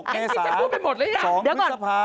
๑๖เมศสองพฤษภา